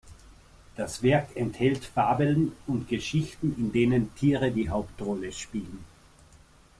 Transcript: Das Werk enthält Fabeln und Geschichten, in denen Tiere die Hauptrolle spielen.